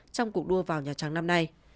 trong cuộc đua vào nhà trắng năm nay